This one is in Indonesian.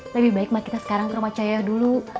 lebih baik kita sekarang ke rumah cahaya dulu